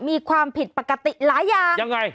มีความผิดปกติหลายอย่าง